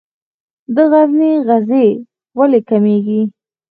د غزني غزې ولې کمیږي؟